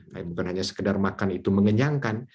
tapi bukan hanya sekedar makan itu mengenyangkan